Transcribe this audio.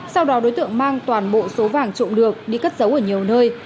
sau đó đối tượng mang toàn bộ số vàng trộm được đi cất giấu ở nhiều nơi